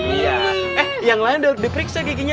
iya eh yang lain udah diperiksa giginya